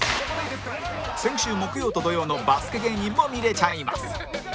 先週木曜と土曜のバスケ芸人も見れちゃいます